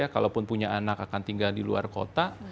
kalaupun punya anak akan tinggal di luar kota